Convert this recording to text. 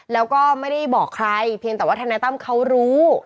แล้วก็ไม่ได้บอกใครเพียงแต่ว่าทนายตั้มเขารู้